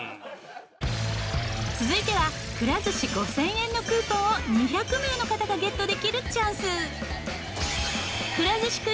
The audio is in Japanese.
続いてはくら寿司５０００円のクーポンを２００名の方がゲットできるチャンス。